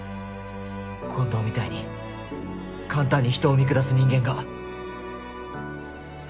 近藤みたいに簡単に人を見下す人間が。